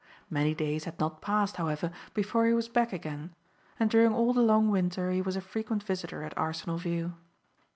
Many days had not passed, however, before he was back again, and during all the long winter he was a frequent visitor at Arsenal View.